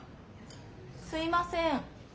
すいません。